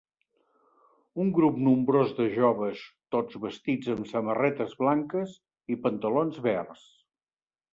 un grup nombrós de joves tots vestits amb samarretes blanques i pantalons verds.